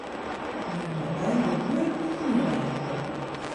Men moat dy de wurden út 'e mûle helje.